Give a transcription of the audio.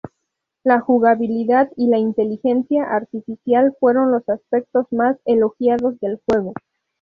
La jugabilidad y la inteligencia artificial fueron los aspectos más elogiados del juego.